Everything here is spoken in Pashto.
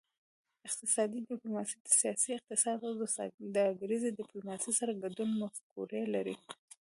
اقتصادي ډیپلوماسي د سیاسي اقتصاد او سوداګریزې ډیپلوماسي سره ګډې مفکورې لري